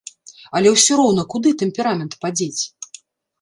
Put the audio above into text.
Але ўсё роўна куды тэмперамент падзець?